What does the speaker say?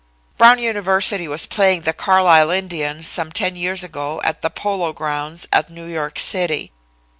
'" Brown University was playing the Carlisle Indians some ten years ago at the Polo Grounds at New York City.